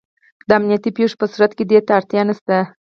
د امنیتي پېښو په صورت کې دې ته اړتیا نشته.